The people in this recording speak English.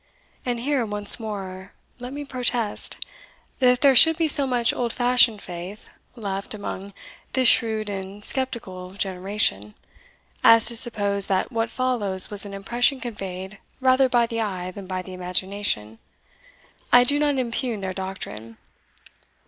And here, once more, let me protest, that if there should be so much old fashioned faith left among this shrewd and sceptical generation, as to suppose that what follows was an impression conveyed rather by the eye than by the imagination, I do not impugn their doctrine.